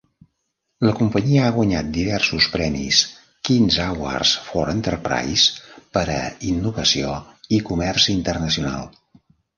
La companyia ha guanyat diversos premis Queen's Awards for Enterprise per a innovació i comerç internacional.